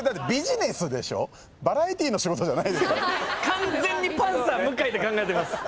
完全にパンサー向井で考えてます。